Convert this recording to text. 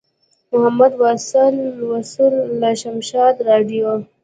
محمد واصل وصال له شمشاد راډیو.